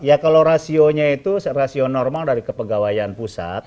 ya kalau rasionya itu rasio normal dari kepegawaian pusat